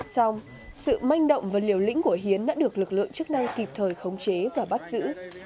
xong sự manh động và liều lĩnh của hiến đã được lực lượng chức năng kịp thời khống chế và bắt giữ